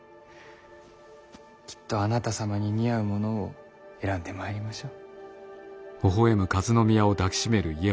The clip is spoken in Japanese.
きっとあなた様に似合うものを選んでまいりましょう。